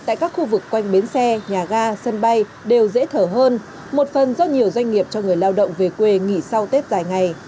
tại các khu vực quanh bến xe nhà ga sân bay đều dễ thở hơn một phần do nhiều doanh nghiệp cho người lao động về quê nghỉ sau tết dài ngày